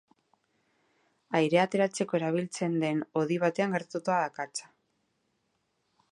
Airea ateratzeko erabiltzen den hodi batean gertatu da akatsa.